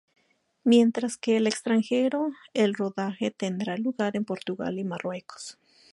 Mientras que en el extranjero el rodaje tendrá lugar en Portugal y Marruecos.